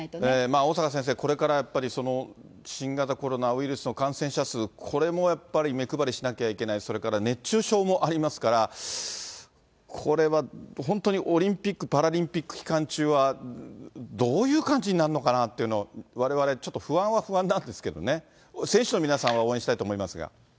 小坂先生、これからやっぱり新型コロナウイルスの感染者数、これもやっぱり目配りしなきゃいけない、それから熱中症もありますから、これは本当にオリンピック・パラリンピック期間中はどういう感じになるのかなっていうのをわれわれ、ちょっと不安は不安なんですけどね、選手の皆さんは応援したいと思いますが。